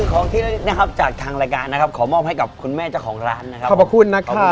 ขอมอบให้กับคุณแม่ของร้านขอบคุณนะครับ